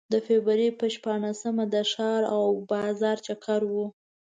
د فبروري په شپاړسمه د ښار او بازار چکر و.